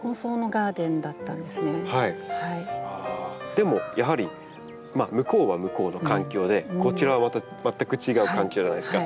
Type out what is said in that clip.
でもやはり向こうは向こうの環境でこちらはまた全く違う環境じゃないですか。